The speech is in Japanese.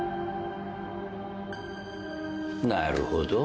なるほど。